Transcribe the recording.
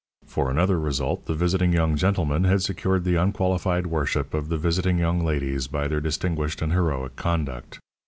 For another result, the visiting young gentlemen had secured the unqualified worship of the visiting young ladies by their distinguished and heroic conduct.